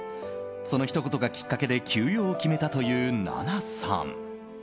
そのひと言がきっかけで休養を決めたという奈々さん。